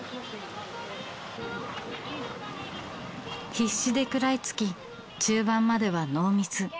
必死で食らいつき中盤まではノーミス。